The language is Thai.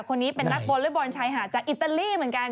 คนนี้เป็นนักวอเล็กบอลชายหาดจากอิตาลีเหมือนกัน